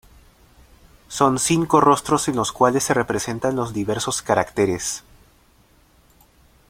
Son cinco rostros en los cuales se representan los diversos caracteres.